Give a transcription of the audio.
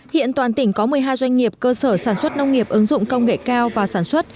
hiện toàn tỉnh có một mươi hai doanh nghiệp cơ sở sản xuất nông nghiệp ứng dụng công nghệ cao và sản xuất